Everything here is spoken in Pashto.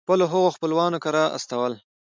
د خپلو هغو خپلوانو کره استول.